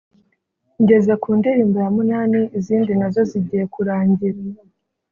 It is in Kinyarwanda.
ngeze ku ndirimbo ya munani izindi nazo zigiye kurangira